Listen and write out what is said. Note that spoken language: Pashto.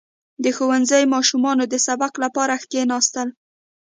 • د ښوونځي ماشومانو د سبق لپاره کښېناستل.